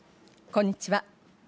こんにちは。